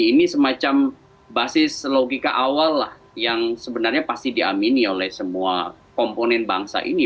ini semacam basis logika awal lah yang sebenarnya pasti diamini oleh semua komponen bangsa ini